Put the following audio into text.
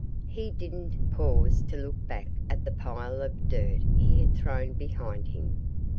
He didn't pause to look back at the pile of dirt he had thrown behind him.